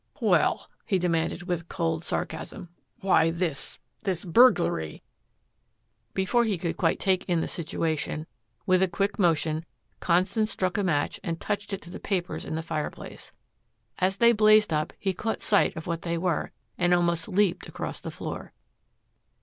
"Well!" he demanded with cold sarcasm. "Why this this burglary?" Before he could quite take in the situation, with a quick motion, Constance struck a match and touched it to the papers in the fireplace. As they blazed up he caught sight of what they were and almost leaped across the floor.